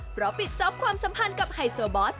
เพราะปิดจ๊อปความสัมพันธ์กับไฮโซบอส